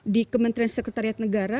di kementerian sekretariat negara